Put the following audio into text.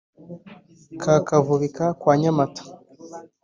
ka kavubika kwa nyamata,